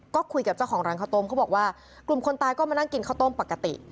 ก็คุยกับเจ้าของร้านข้าวต้มเขาบอกว่ากลุ่มคนตายก็มานั่งกินข้าวต้มปกติ